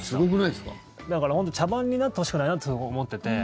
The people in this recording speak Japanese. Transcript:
だから本当に茶番になってほしくないなってすごく思っていて。